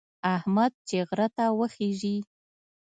احمد چې غره ته وخېژي،